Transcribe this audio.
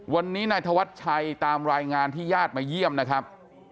วันนี้นายธวัชชัยตามรายงานที่ญาติมาเยี่ยมนะครับ